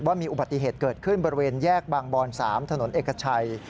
ว่ามีอุบัติเหตุเกิดขึ้นบริเวณแยกบางบอน๓ถนนเอกชัย